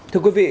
thưa quý vị